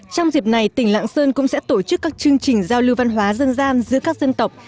trong dịp này tỉnh lạng sơn cũng sẽ tổ chức các chương trình giao lưu văn hóa dân gian giữa các dân tộc